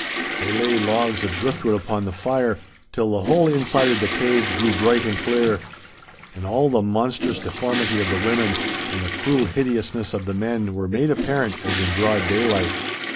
They laid logs of driftwood upon the fire, till the whole inside of the cave grew bright and clear; and all the monstrous deformity of the women and the cruel hideousness of the men were made apparent as in broad daylight.